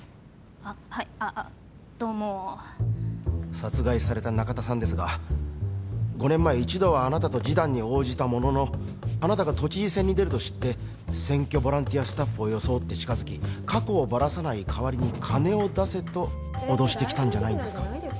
あッはいああどうも殺害された中田さんですが５年前一度はあなたと示談に応じたもののあなたが都知事選に出ると知って選挙ボランティアスタッフを装って近づき過去をバラさない代わりに金を出せと脅してきたんじゃないんですか？